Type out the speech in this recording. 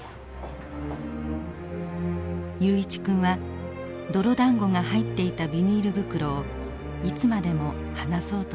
雄一君は泥だんごが入っていたビニール袋をいつまでも離そうとしませんでした。